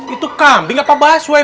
itu kambing apa bahas uai